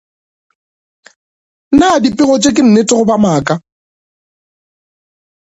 Na dipego tše ke nnete goba maaka?